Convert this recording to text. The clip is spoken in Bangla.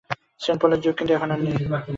সেণ্ট পলের যুগ কিন্তু এখন আর নেই।